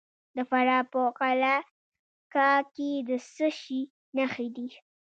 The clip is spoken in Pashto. د فراه په قلعه کاه کې د څه شي نښې دي؟